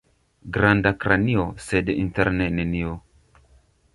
Granda kranio, sed interne nenio.